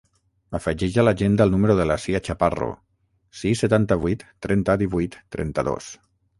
Afegeix a l'agenda el número de la Sia Chaparro: sis, setanta-vuit, trenta, divuit, trenta-dos.